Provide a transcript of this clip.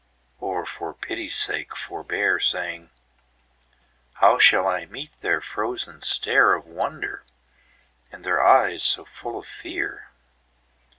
or for pity's sake forbear, Saying, "How shall I meet their frozen stareOf wonder, and their eyes so full of fear?